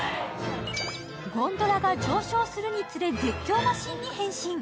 ゴンドラが上昇するにつれ、絶叫マシンに変身。